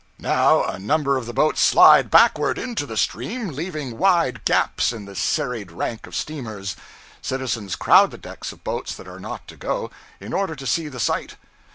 Now a number of the boats slide backward into the stream, leaving wide gaps in the serried rank of steamers. Citizens crowd the decks of boats that are not to go, in order to see the sight.